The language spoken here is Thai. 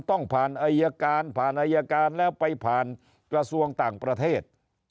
ต้องผ่านอายการผ่านอายการแล้วไปผ่านกระทรวงต่างประเทศ